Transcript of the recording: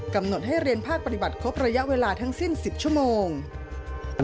กำหนดให้เรียนภาคปฏิบัติครบระยะเวลาทั้งสิ้น๑๐ชั่วโมง